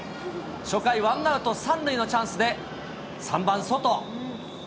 初回、ワンアウト３塁のチャンスで、３番ソト。